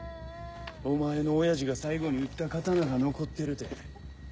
お前の親父が最後に打った刀が残ってるて。